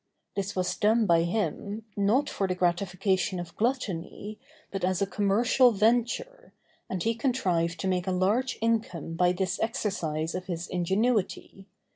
This was done by him, not for the gratification of gluttony, but as a commercial venture, and he contrived to make a large income by this exercise of his ingenuity.